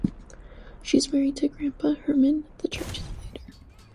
She is married to Grandpa Herman, the church's leader.